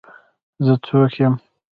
زه څوک یم.